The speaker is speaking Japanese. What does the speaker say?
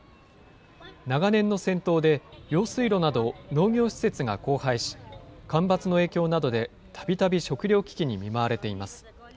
長年の戦闘で、用水路など、農業施設が荒廃し、干ばつの影響などでたびたび食糧危機に見舞われています。